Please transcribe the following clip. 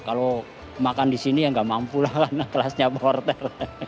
kalau makan di sini ya nggak mampu lah karena kelasnya porter